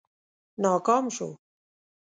ناکام شو.